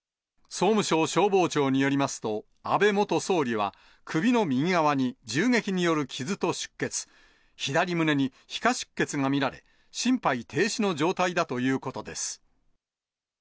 総務省消防庁によりますと、安倍元総理は、首の右側に銃撃による傷と出血、左胸に皮下出血が見られ、心肺停止の状態だということです。